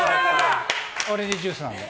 オレンジジュースなので。